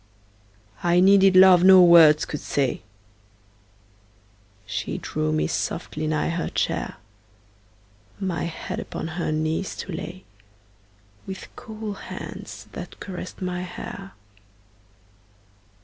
I needed love no words could say; She drew me softly nigh her chair, My head upon her knees to lay, With cool hands that caressed my hair.